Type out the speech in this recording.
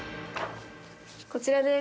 こちらです。